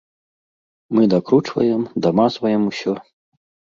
Мы дакручваем, дамазваем усё.